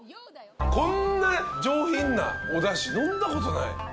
こんな上品なおだし飲んだことない。